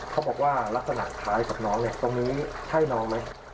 เขาบอกว่าลักษณะคล้ายกับน้องเนี่ยตรงนี้ใช่น้องไหม